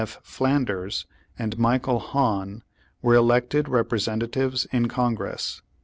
Flanders and Michael Hahn were elected Representatives in Congress.